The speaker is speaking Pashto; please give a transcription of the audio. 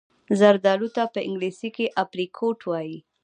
زردالو ته په انګلیسي Apricot وايي.